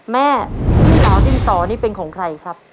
แม่สาวดินสอนี่เป็นของใครครับ